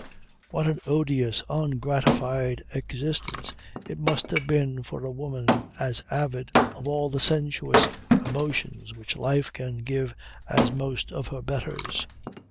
What an odious, ungratified existence it must have been for a woman as avid of all the sensuous emotions which life can give as most of her betters.